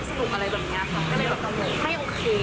คือหนูมีความคิดว่าถ้าเกิดคุณพ่อหนูรอดหนูก็จะปล่อยไป